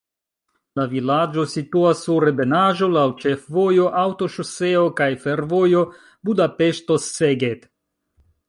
La vilaĝo situas sur ebenaĵo, laŭ ĉefvojo, aŭtoŝoseo kaj fervojo Budapeŝto-Szeged.